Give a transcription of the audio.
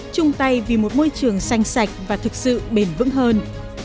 chung tay vì một môi trường xanh sạch và thực sự bền vững hơn